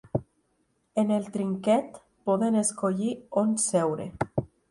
En el trinquet, poden escollir on seure.